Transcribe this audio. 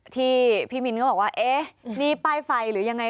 ที่พี่มินก็บอกว่าเอ๊ะนี่ป้ายไฟหรือยังไง